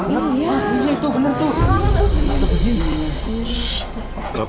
iya iya itu gemar tuh